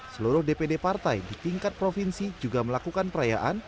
seluruh dpd partai di tingkat provinsi juga melakukan perayaan